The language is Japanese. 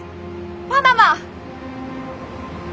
パナマ！